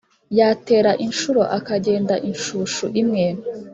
yatera inshuro akagenda inshucu imwe;